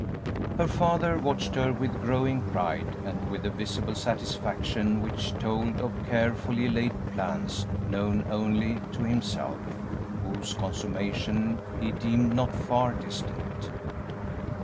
Her father watched her with growing pride, and with a visible satisfaction which told of carefully laid plans known only to himself, whose consummation he deemed not far distant.